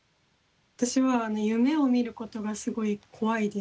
私は夢を見ることがすごい怖いです。